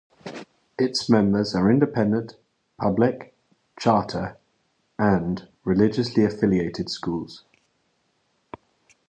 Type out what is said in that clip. Its members are independent, public, charter, and religiously-affiliated schools.